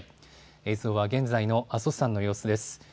映像は現在の阿蘇山の様子です。